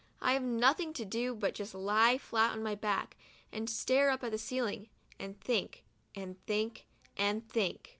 I have nothing to do but just to lie flat on my back and stare up at the ceiling — and think, and think, and think.